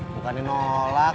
bukan ini nolak